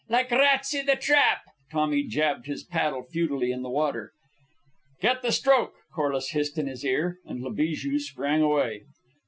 Like rats i' the trap!" Tommy jabbed his paddle futilely in the water. "Get the stroke!" Corliss hissed in his ear, and La Bijou sprang away.